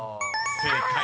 ［正解！